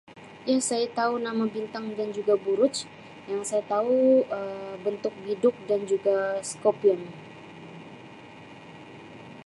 Yang saya tau nama bintang dan juga buruj yang saya tau Um bentuk bidug dan juga scorpion.